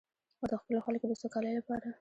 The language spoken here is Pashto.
او د خپلو خلکو د سوکالۍ لپاره.